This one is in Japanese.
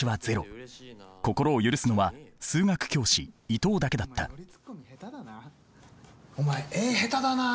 心を許すのは数学教師伊藤だけだったお前絵下手だな。